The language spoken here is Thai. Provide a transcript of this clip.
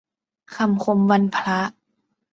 คำคมวันพระ